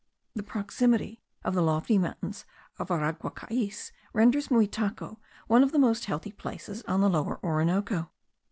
The proximity of the lofty mountains of Araguacais renders Muitaco one of the most healthy places on the Lower Orinoco.